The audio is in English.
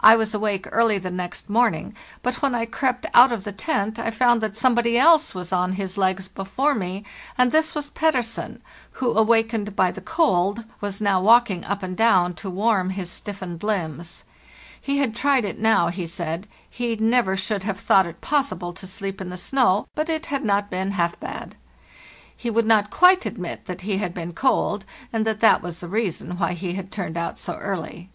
I was awake early the next morning; but when I crept out of the tent I found that somebody else was on his legs before me, and this was Pettersen, who, awakened by the cold, was now walking up and down to warm his stiffened limbs. He had tried it now, he said; he never should have thought it possible to sleep in the snow, but it had not been half bad. He would not quite admit that he had been cold, and that that was the reason why he had turned out so early.